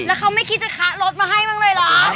แล้วเขาไม่คิดจะคะรถมาให้บ้างเลยเหรอ